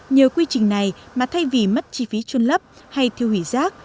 nhờ quy trình này mà thay vì mất chi phí trôn lấp hay thiêu hủy rác